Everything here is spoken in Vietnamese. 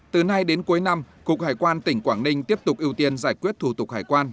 từ nay đến cuối năm cục hải quan tỉnh quảng ninh tiếp tục ưu tiên giải quyết thủ tục hải quan